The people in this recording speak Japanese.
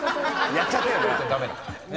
やっちゃったよね。